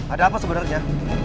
ada apa sebenarnya